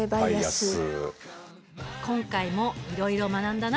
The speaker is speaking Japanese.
今回もいろいろ学んだな。